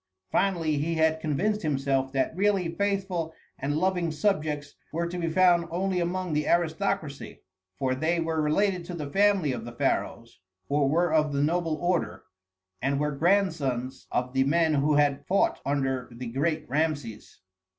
Finally, he had convinced himself that really faithful and loving subjects were to be found only among the aristocracy, for they were related to the family of the pharaohs, or were of the noble order, and were grandsons of the men who had fought under the great Rameses.